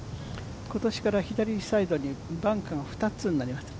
今年から左サイドにバンカーが２つになりましたね。